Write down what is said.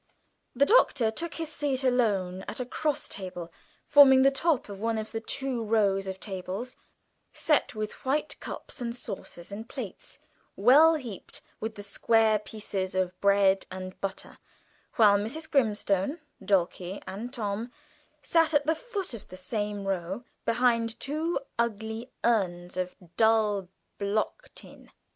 The Doctor took his seat alone at a cross table forming the top of one of the two rows of tables, set with white cups and saucers, and plates well heaped with the square pieces of bread and butter, while Mrs. Grimstone with Dulcie and Tom, sat at the foot of the same row, behind two ugly urns of dull block tin.